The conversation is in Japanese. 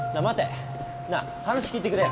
なあ話聞いてくれよ。